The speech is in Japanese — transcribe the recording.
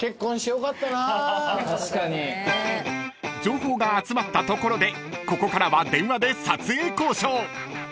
［情報が集まったところでここからは電話で撮影交渉］